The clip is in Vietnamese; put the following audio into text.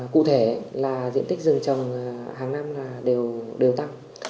cụ thể là diện tích rừng trồng hàng năm đều đều tăng